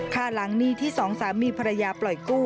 ค่าหลังหนี้ที่สองสามีภรรยาปล่อยกู้